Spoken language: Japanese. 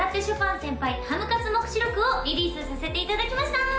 ショパン先輩／ハムカツ黙示録」をリリースさせていただきました